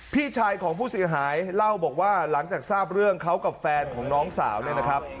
พี่ชายของผู้เสียหายเล่าบอกว่าหลังจากทราบเรื่องเขากับแฟนของน้องสาวเนี่ยนะครับ